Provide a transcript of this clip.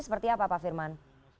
seperti apa pak firman